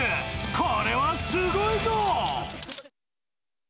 これはすごいぞ。